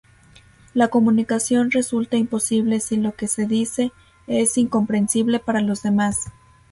La comunicación resulta imposible si lo que se dice es incomprensible para los demás.